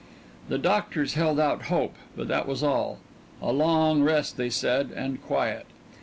The doctors held out hope, but that was all. A long rest, they said, and quiet.